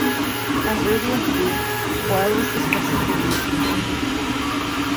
As early as June, Boyle was discussing the need to kill him.